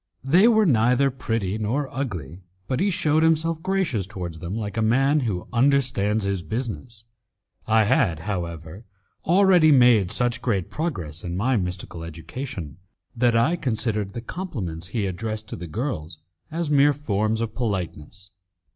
They were neither pretty nor ugly, but he shewed himself gracious towards them like a man who understands his business. I had, however, already made such great progress in my mystical education, that I considered the compliments he addressed to the girls as mere forms of politeness.